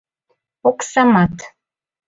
— Оксамат.